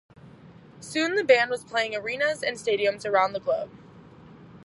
Soon the band was playing arenas and stadiums around the globe.